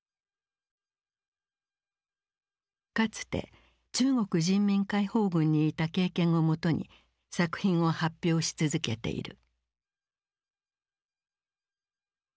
かつて中国人民解放軍にいた経験をもとに作品を発表し続けている。